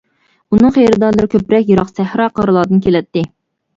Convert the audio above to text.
ئۇنىڭ خېرىدارلىرى كۆپرەك يىراق سەھرا، قىرلاردىن كېلەتتى.